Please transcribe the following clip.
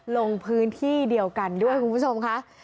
ลงพื้นที่เดียวกันด้วยคุณผู้ชมค่ะ